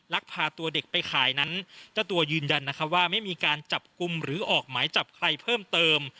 ลักพาตัวเด็กไปขายนั้นเจ้าตัวยืนยันนะคะว่าไม่มีการจับกลุ่มหรือออกหมายจับใครเพิ่มเติม